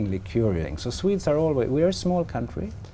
một quốc gia khá lớn